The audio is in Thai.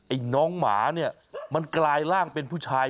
ไอ้น้องหมาเนี่ยมันกลายร่างเป็นผู้ชาย